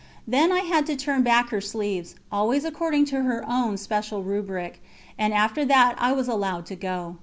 Then I had to turn back her sleeves, always according to her own special rubric, and after that I was allowed to go.